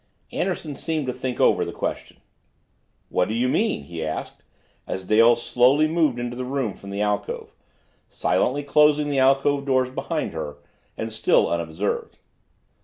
Anderson seemed to think over the question. "What do you mean?" he asked as Dale slowly moved into the room from the alcove, silently closing the alcove doors behind her, and still unobserved.